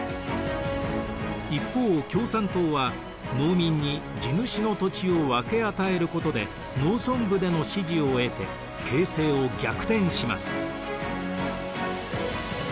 一方共産党は農民に地主の土地を分け与えることで農村部での支持を得て形勢を逆転します。